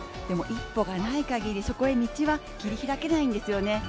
でも、一歩がないかぎり、そこへ道は切り開けないんですよね。